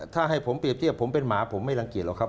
ถ้าให้ผมเปรียบเทียบผมเป็นหมาผมไม่รังเกียจหรอกครับ